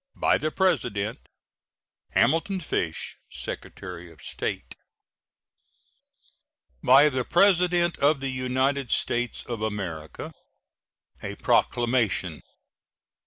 By the President: HAMILTON FISH, Secretary of State. BY THE PRESIDENT OF THE UNITED STATES OF AMERICA. A PROCLAMATION.